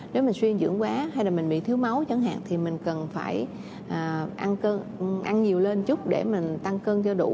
nếu mình suy dưỡng quá hay là mình bị thiếu máu chẳng hạn thì mình cần phải ăn nhiều lên chút để mình tăng cân cho đủ